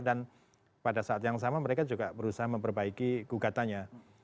dan pada saat yang sama mereka juga berusaha memperbaiki gugatannya